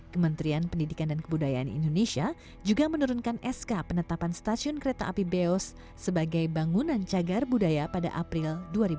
kementerian pendidikan dan kebudayaan indonesia juga menurunkan sk penetapan stasiun kereta api beos sebagai bangunan cagar budaya pada april dua ribu dua puluh